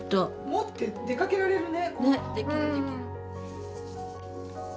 持って出かけられるね。